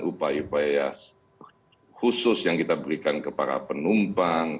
upaya upaya khusus yang kita berikan kepada penumpang